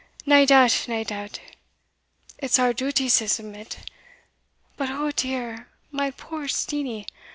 Nae doubt, nae doubt! It's our duty to submit! But, oh dear! my poor Steenie!